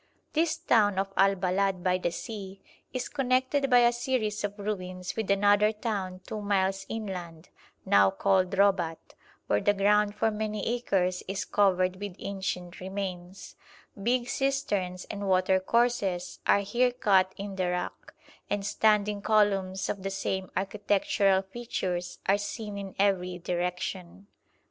This town of Al Balad by the sea is connected by a series of ruins with another town two miles inland, now called Robat, where the ground for many acres is covered with ancient remains; big cisterns and water courses are here cut in the rock, and standing columns of the same architectural features are seen in every direction.